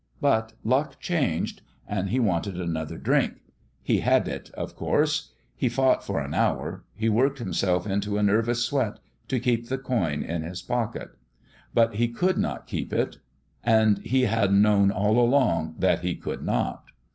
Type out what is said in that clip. But luck changed and he wanted another drink. He had it, of course. He fought for an hour he worked himself into a nervous sweat to keep the coin in his pocket. But he could not keep it ; and he had known all along that he could not.